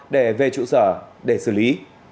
để về trụ sở để xử lý